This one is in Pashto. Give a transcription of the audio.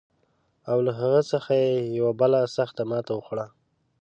او له هغه څخه یې یوه بله سخته ماته وخوړه.